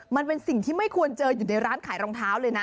มันเป็นสิ่งที่ไม่ควรเจออยู่ในร้านขายรองเท้าเลยนะ